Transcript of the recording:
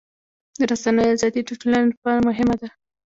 د رسنیو ازادي د ټولنې لپاره مهمه ده.